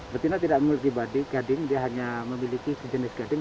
betina tidak memiliki gading dia hanya memiliki sejenis gading